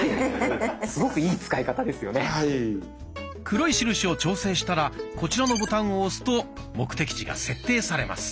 黒い印を調整したらこちらのボタンを押すと目的地が設定されます。